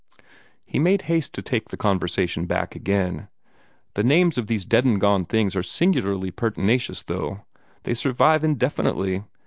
He made haste to take the conversation back again. "The names of these dead and gone things are singularly pertinacious, though. They survive indefinitely.